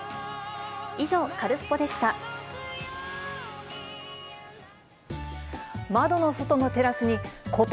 以上、カルスポっ！でした。